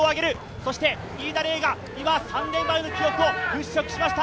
そして飯田怜が今、３年前の記憶を払拭しました！